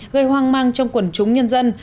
gây hoang mang trong quần chúng nhân dân